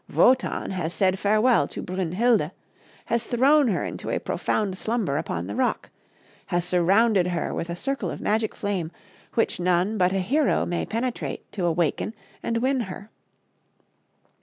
Wotan has said farewell to Brünnhilde; has thrown her into a profound slumber upon the rock; has surrounded her with a circle of magic flame which none but a hero may penetrate to awaken and win her.